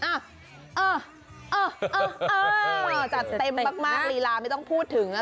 เออเออจัดเต็มมากลีลาไม่ต้องพูดถึงนะ